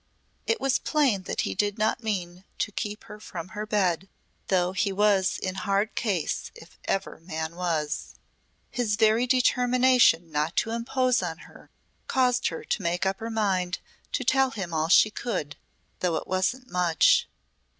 It was plain that he did not mean to keep her from her bed though he was in hard case if ever man was. His very determination not to impose on her caused her to make up her mind to tell him all she could, though it wasn't much.